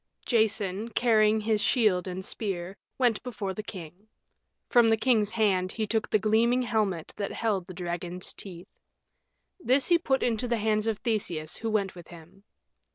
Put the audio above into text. Jason, carrying his shield and spear, went before the king. From the king's hand he took the gleaming helmet that held the dragon's teeth. This he put into the hands of Theseus, who went with him.